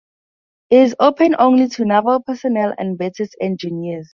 It is open only to Naval personnel and Bettis engineers.